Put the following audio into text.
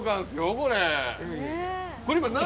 これ今何